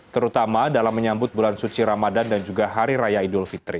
terutama dalam menyambut bulan suci ramadan dan juga hari raya idul fitri